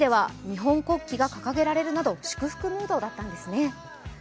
町では日本国旗が掲げられるなど祝福ムードだったんですね。